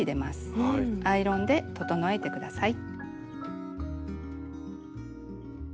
アイロンで整えて下さい。